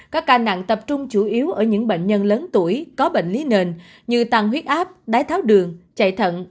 các ca nặng tập trung chủ yếu ở những bệnh nhân lớn tuổi có bệnh lý nền như tăng huyết áp đái tháo đường chạy thận